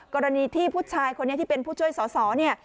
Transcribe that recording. กรณีที่ผู้ชายคนนี้ที่เป็นผู้ช่วยสอสอเนี่ย